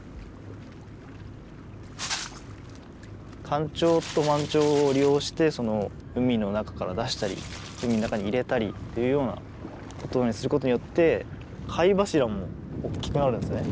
干潮と満潮を利用して海の中から出したり海の中に入れたりというようなことをすることによって貝柱もおっきくなるんすよね。